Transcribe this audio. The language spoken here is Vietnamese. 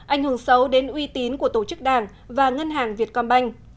ảnh hưởng xấu đến uy tín của tổ chức đảng và ngân hàng việt công banh